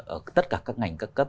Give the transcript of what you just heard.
ở tất cả các ngành các cấp